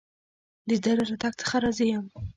د ده له راتګ څخه راضي یم.